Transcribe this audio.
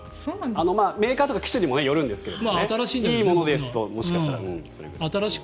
メーカーとか機種にもよるんですけどいいものだともしかしたらそれぐらい。